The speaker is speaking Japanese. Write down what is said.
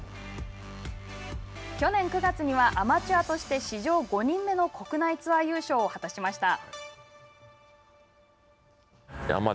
去年９月にはアマチュアとして史上５人目の国内ツアー優勝を果たしました。